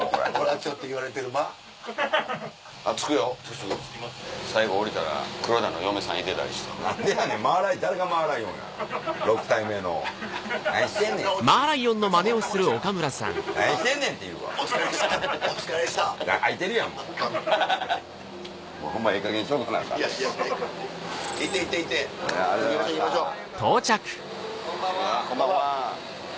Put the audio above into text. こんばんは。